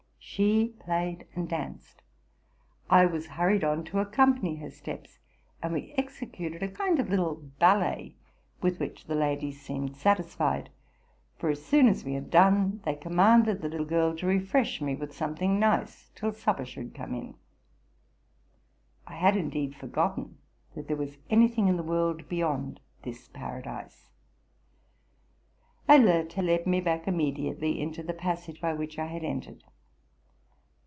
She played and. danced ; Iwas hurried on to accompany her steps; and we executed a kind of little ballet, with which the ladies seemed satisfied ; for, as soon as we had done, they commanded the little girl to refresh me with something nice till supper should come in. I had indeed forgotten that there was any thing in the world beyond this paradise. Alerte led me back immediately into the pas sage by which I had entered.